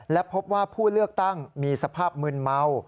และพบว่าผู้เลือกตั้งมีสภาพมืนเมา